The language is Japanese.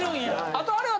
あとあれは？